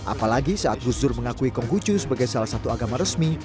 apalagi saat gusdur mengakui kong gucu sebagai salah satu agama resmi